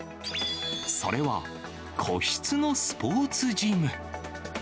それは、個室のスポーツジム。